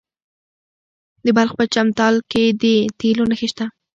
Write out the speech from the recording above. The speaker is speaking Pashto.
د بلخ په چمتال کې د تیلو نښې شته.